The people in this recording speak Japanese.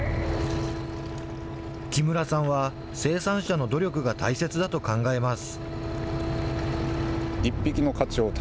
木村さんは、生産者の努力が大切だと考えます。